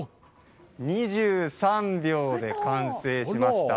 ２３秒で完成しました。